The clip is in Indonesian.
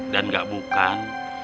dan gak bukan